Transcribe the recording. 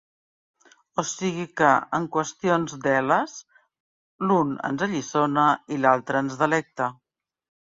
O sigui que, en qüestions d'eles, l'un ens alliçona i l'altra ens delecta.